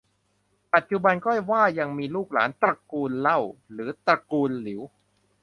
แต่ปัจจุบันก็ว่ายังมีลูกหลานตระกูลเล่า หรือตระกูลหลิว